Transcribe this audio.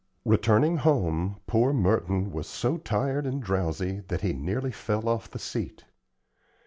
Returning home, poor Merton was so tired and drowsy that he nearly fell off the seat.